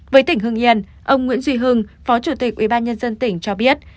với tỉnh hưng yên ông nguyễn duy hưng phó chủ tịch ubnd tỉnh cho biết